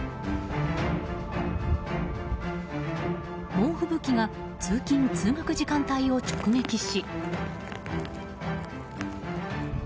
猛吹雪が通勤・通学時間帯を直撃し。